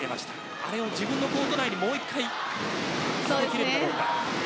それを自分のコート内にもう一度入れれるかどうか。